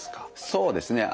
そうですね